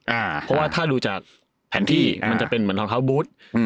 อ่าเพราะว่าถ้ารู้จักแผนที่อ่ามันจะเป็นเหมือนลองเท้าบู๊ดอืม